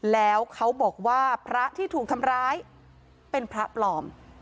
แล้วเขาบอกว่าพระที่ถูกทำร้ายเป็นพระปลอม